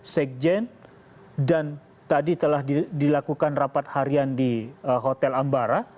sekjen dan tadi telah dilakukan rapat harian di hotel ambara